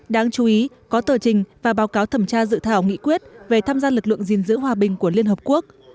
đáng chú ý có tờ trình và báo cáo thẩm tra dự thảo nghị quyết về tham gia lực lượng gìn giữ hòa bình của liên hợp quốc